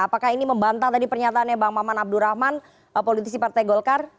apakah ini membantah tadi pernyataannya bang maman abdurrahman politisi partai golkar